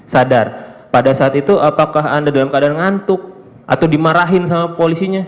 sadar pada saat itu apakah anda dalam keadaan ngantuk atau dimarahin sama polisinya